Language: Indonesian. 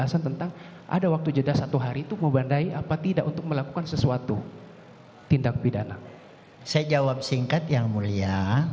yang artinya adalah lebih baik mati daripada menanggung malu